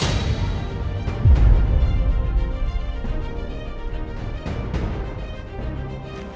kamu jauhi dia